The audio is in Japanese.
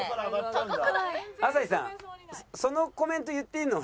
朝日さんそのコメント言っていいのは。